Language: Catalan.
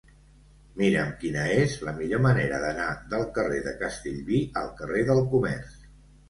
Mira'm quina és la millor manera d'anar del carrer de Castellví al carrer del Comerç.